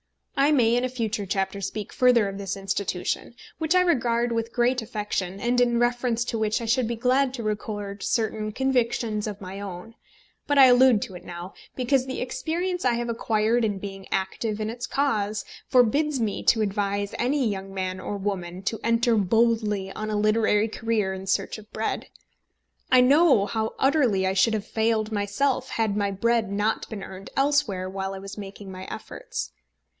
I may in a future chapter speak further of this Institution, which I regard with great affection, and in reference to which I should be glad to record certain convictions of my own; but I allude to it now, because the experience I have acquired in being active in its cause forbids me to advise any young man or woman to enter boldly on a literary career in search of bread. I know how utterly I should have failed myself had my bread not been earned elsewhere while I was making my efforts.